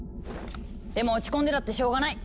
でも落ち込んでたってしょうがない！